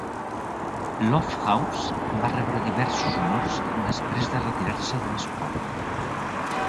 Lofthouse va rebre diversos honors després de retirar-se de l'esport.